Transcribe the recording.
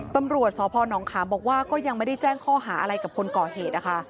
ตำรวจสพนขามบอกว่าก็ยังไม่ได้แจ้งข้อหาอะไรกับคนก่อเหตุนะคะ